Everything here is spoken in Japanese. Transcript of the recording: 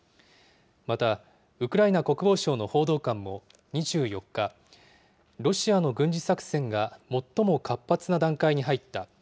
また、ウクライナ国防省の報道官も、２４日、ロシアの軍事作戦が最も活発な段階に入った。